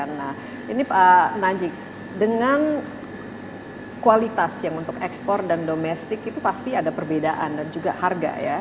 nah ini pak najik dengan kualitas yang untuk ekspor dan domestik itu pasti ada perbedaan dan juga harga ya